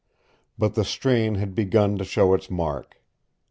But the strain had begun to show its mark.